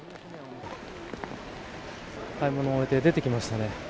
買い物を終えて出てきましたね。